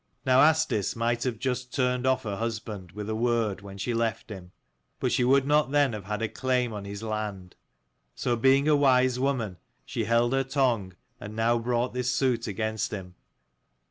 Now Asdis might have just turned off her husband, with a word, when she left him : but she would not then have had a claim on his land. So being a wise woman she held her tongue, and now brought this suit against him.